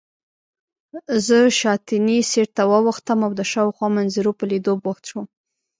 زه شاتني سېټ ته واوښتم او د شاوخوا منظرو په لیدو بوخت شوم.